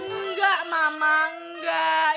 enggak mama enggak